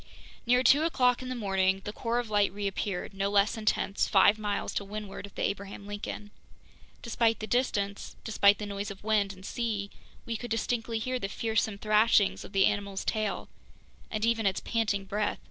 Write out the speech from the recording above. Near two o'clock in the morning, the core of light reappeared, no less intense, five miles to windward of the Abraham Lincoln. Despite the distance, despite the noise of wind and sea, we could distinctly hear the fearsome thrashings of the animal's tail, and even its panting breath.